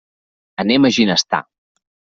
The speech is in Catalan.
Anem a Ginestar.